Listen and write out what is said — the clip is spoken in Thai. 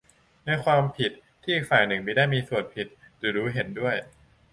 ในความผิดที่อีกฝ่ายหนึ่งมิได้มีส่วนผิดหรือรู้เห็นด้วย